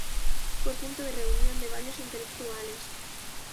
Fue punto de reunión de varios intelectuales.